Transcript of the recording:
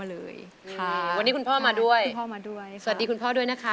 อายุ๒๔ปีวันนี้บุ๋มนะคะ